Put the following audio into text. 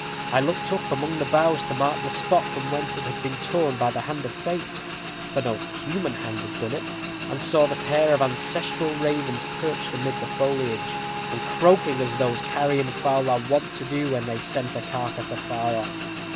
I looked up among the boughs to mark the spot from whence it had been torn by the hand of Fate for no human hand had done it and saw the pair of ancestral ravens perched amid the foliage, and croaking as those carrion fowl are wont to do when they scent a carcass afar off.